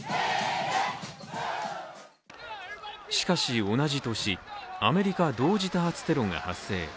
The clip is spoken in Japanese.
しかし同じ年、アメリカ同時多発テロが発生。